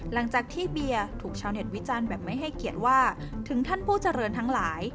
หลังจากที่เบียร์ถูกชาวเน็ตวิจารณ์แบบไม่ให้เกียรติว่าถึงท่านผู้เจริญทั้งหลาย